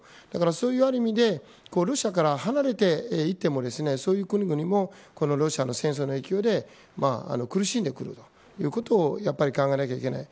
そういう、ある意味でロシアからは離れていてもそういう国々もロシアの戦争の影響で苦しんでくるということを考えなければいけない。